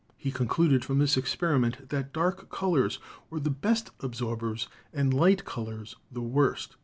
He concluded from this experiment that dark colors were the best absorbers and light colors the worst.